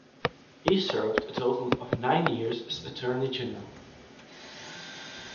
He served a total of nine years as Attorney General.